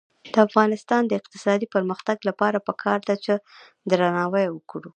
د افغانستان د اقتصادي پرمختګ لپاره پکار ده چې درناوی وکړو.